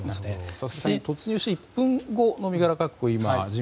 佐々木さん突入して１分後の身柄確保。